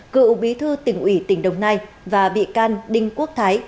cựu bí thư tỉnh ủy tỉnh đồng nai và bị can đinh quốc thái